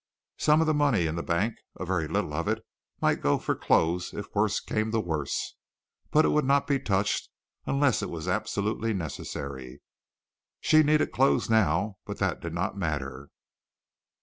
Some of the money in the bank, a very little of it, might go for clothes if worst came to worst, but it would not be touched unless it was absolutely necessary. She needed clothes now, but that did not matter.